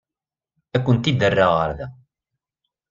Ad kent-id-rreɣ ɣer da.